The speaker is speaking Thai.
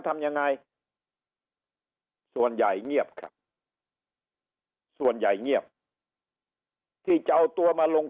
ทำยังไงส่วนใหญ่เงียบครับส่วนใหญ่เงียบที่จะเอาตัวมาลง